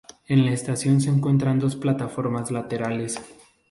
En la estación se encuentran dos plataformas laterales.